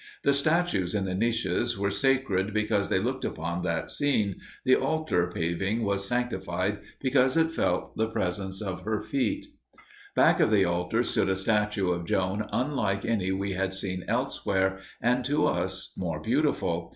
The statues in the niches were sacred because they looked upon that scene, the altar paving was sanctified because it felt the pressure of her feet. Back of the altar stood a statue of Joan unlike any we had seen elsewhere, and to us more beautiful.